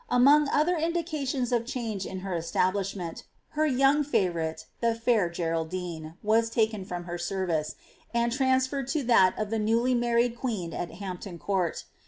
Among other indications of ciiange in her establishment, her young favourite, the fair Geraldine, was taken from her service, and transferred to that of the newly married queen at Hampton Court.